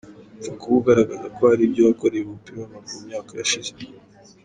Upfa kuba ugaragaza ko hari ibyo wakoreye umupira w’amaguru mu myaka yashize.